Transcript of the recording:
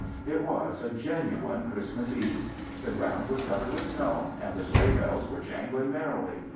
It was a genuine Christmas eve. The ground was covered with snow and the sleigh bells were jangling merrily.